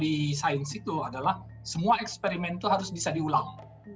di sains itu adalah semua eksperimen itu harus bisa diulang